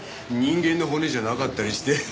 人間の骨じゃなかったりして。